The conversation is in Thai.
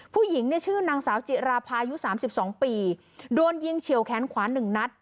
ผู้หญิงชื่อนางสาวสุจิตราพายุ๓๒ปีโดนยิงเฉียวแขนขวาน๑นัด